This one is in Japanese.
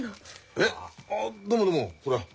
えっあどうもどうもこりゃ。